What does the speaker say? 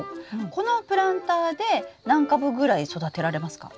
このプランターで何株ぐらい育てられますか？